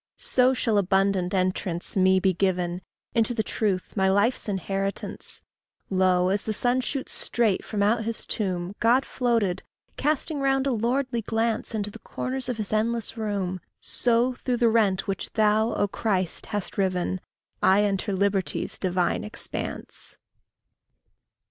SO shall abundant entrance me be given Into the truth, my life's inheritance. Lo! as the sun shoots straight from out his tomb, God floated, casting round a lordly glance Into the corners of his endless room, So, through the rent which thou, O Christ, hast riven, I enter liberty's divine expanse.